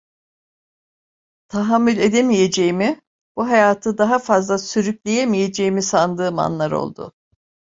Tahammül edemeyeceğimi, bu hayatı daha fazla sürükleyemeyeceğimi sandığım anlar oldu.